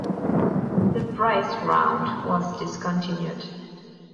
The Brace round was discontinued.